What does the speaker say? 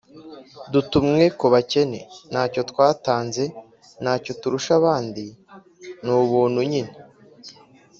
dutumwe ku bakene. ntacyo twatanze, ntacyo turusha abandi ; ni ubuntu nyine